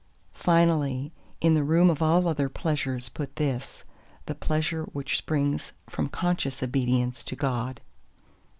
Finally, in the room of all other pleasures put this—the pleasure which springs from conscious obedience to God.